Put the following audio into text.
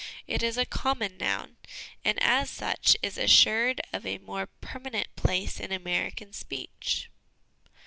It is a common noun, and as such is assured of a more permanent place in American speech."